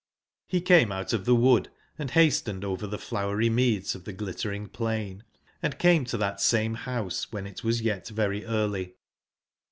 Re came out of the wood and hastened over the flowery meads of the Glittering plain, and came to that same house when it was yet very early.